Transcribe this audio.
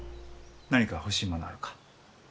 何か欲しいものはあるか？